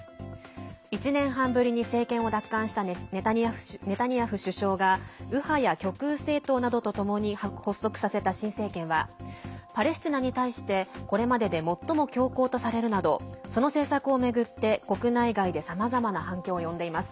１年半ぶりに政権を奪還したネタニヤフ首相が右派や極右政党などとともに発足させた新政権はパレスチナに対してこれまでで最も強硬とされるなどその政策を巡って、国内外でさまざまな反響を呼んでいます。